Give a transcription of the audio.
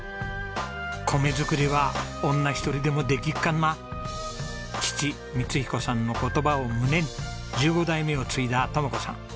「米作りは女一人でもできっかんな」。父光彦さんの言葉を胸に１５代目を継いだ智子さん。